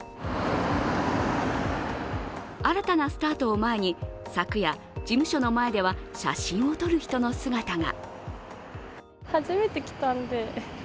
新たなスタートを前に、昨夜、事務所の前では写真を撮る人の姿が。